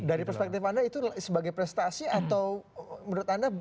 dari perspektif anda itu sebagai prestasi atau menurut anda